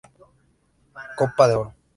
Copa de Oro.